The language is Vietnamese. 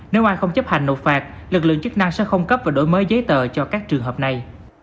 nếu ai không chấp hành nộp phạt lực lượng chức năng sẽ không cấp và đổi mới giấy tờ cho các trường hợp này